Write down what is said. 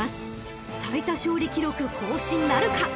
［最多勝利記録更新なるか］